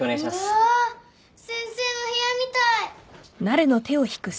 うわぁ先生の部屋みたい。